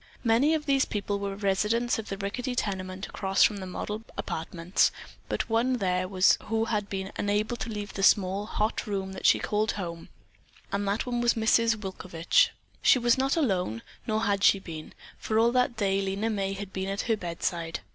Many of these people were residents of the rickety tenement across from the model apartments, but one there was who had been unable to leave the small, hot room that she called home, and that one was Mrs. Wilovich. She was not alone, nor had she been, for all that day Lena May had been at her bedside.